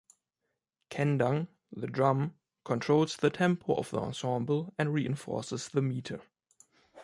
Kendang, the drum, controls the tempo of the ensemble and reinforces the meter.